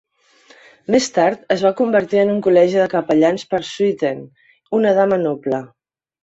Més tard es va convertir en un col·legi de capellans per "Swithen", una dama noble.